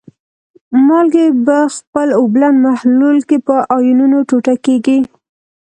مالګې په خپل اوبلن محلول کې په آیونونو ټوټه کیږي.